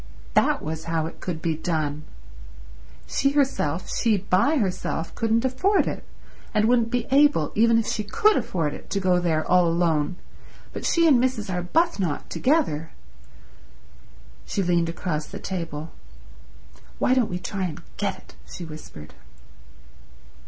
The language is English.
That was how it could be done. She herself, she by herself, couldn't afford it, and wouldn't be able, even if she could afford it, to go there all alone; but she and Mrs. Arbuthnot together ... She leaned across the table, "Why don't we try and get it?" she whispered.